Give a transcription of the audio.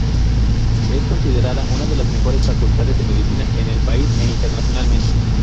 Es considerada una de las mejores facultades de Medicina en el país e internacionalmente.